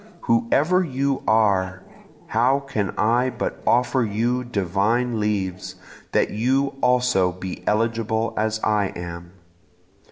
Whoever you are! how can I but offer you divine leaves, that you also be eligible as I am?